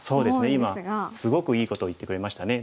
今すごくいいことを言ってくれましたね。